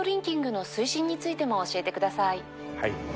キングの推進についても教えてください。